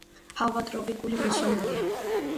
ჰავა ტროპიკული, მუსონურია.